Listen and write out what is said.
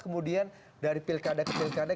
kemudian dari pilkada ke pilkada